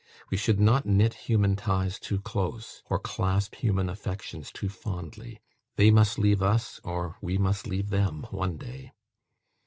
We should not knit human ties too close, or clasp human affections too fondly. They must leave us, or we must leave them, one day.